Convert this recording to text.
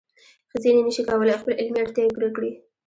ځینې نشي کولای خپل علمي اړتیاوې پوره کړي.